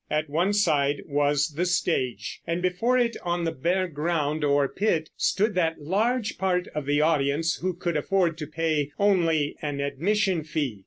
At one side was the stage, and before it on the bare ground, or pit, stood that large part of the audience who could afford to pay only an admission fee.